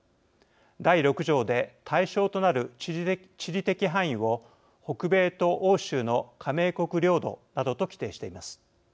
第６条で対象となる地理的範囲を北米と欧州の加盟国領土などと規定しています。